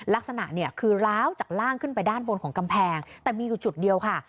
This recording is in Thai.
ลักษณะเนี่ยคือล้าวจากร่างขึ้นไปด้านบนของกำแพงแต่มีอยู่จุดเดียวค่ะ